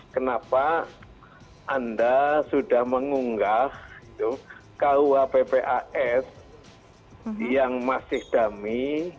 kenapa anda sudah mengunggah kuh ppas yang masih dami